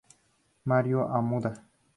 Mario Ahumada